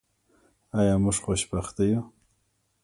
آیا موږ خوشبخته یو؟